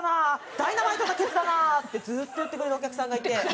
ダイナマイトなケツだな」ってずっと言ってくれるお客さんがいて。